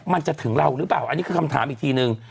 มันจะถึงเราหรือเปล่าอันนี้คือคำถามอีกทีนึง